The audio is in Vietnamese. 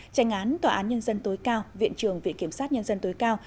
tranh án tòa án nhân dân tối cao viện trường viện kiểm sát nhân dân tối cao